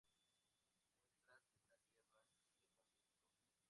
Muestras de la Guerra del Pacífico.